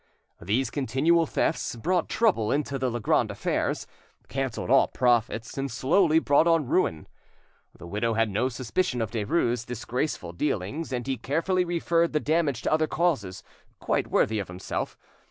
These continual thefts brought trouble into the Legrand affairs, cancelled all profits, and slowly brought on ruin. The widow had no suspicion of Derues' disgraceful dealings, and he carefully referred the damage to other causes, quite worthy of himself.